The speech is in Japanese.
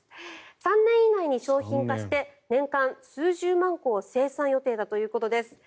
３年以内に商品化して年間数十万個を生産予定だということです。